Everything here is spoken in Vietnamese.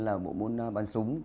là bộ môn bắn súng